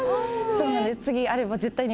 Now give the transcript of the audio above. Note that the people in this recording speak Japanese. そうなんです。